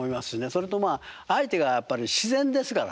それと相手がやっぱり自然ですからね。